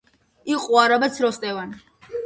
იყო არაბეთს როსტევან...